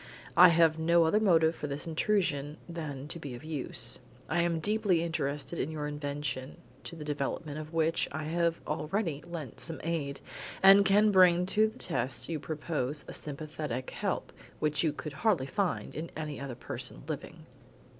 I have no other motive for this intrusion than to be of use. I am deeply interested in your invention, to the development of which I have already lent some aid, and can bring to the test you propose a sympathetic help which you could hardly find in any other person living."